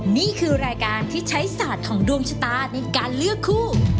นี่คือรายการที่ใช้ศาสตร์ของดวงชะตาในการเลือกคู่